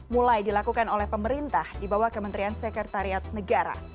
mulai dilakukan oleh pemerintah di bawah kementerian sekretariat negara